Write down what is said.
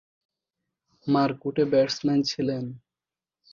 মারকুটে batsman ছিলেন।